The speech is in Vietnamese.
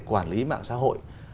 quản lý mạng xã hội